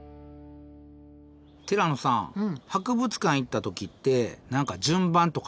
ティラノさん博物館行った時って何か順番とかあります？